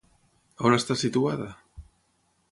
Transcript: A on està situada?